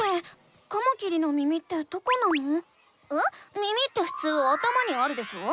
耳ってふつう頭にあるでしょ？